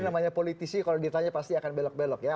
namanya politisi kalau ditanya pasti akan belok belok ya